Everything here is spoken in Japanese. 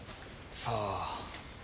さあ。